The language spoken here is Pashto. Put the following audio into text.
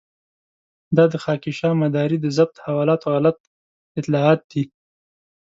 دا د خاکيشاه مداري د ضبط حوالاتو غلط اطلاعات دي.